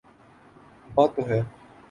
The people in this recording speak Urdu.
بات تو ہے۔